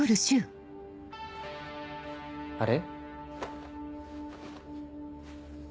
あれ？